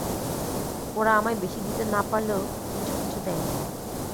ওরা আমায় বেশী দিতে না পারলেও কিছু কিছু দেয়।